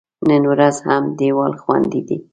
نن ورځ هم دیوال خوندي دی.